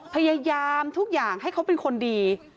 พยายามทุกอย่างให้เขาเป็นคนดี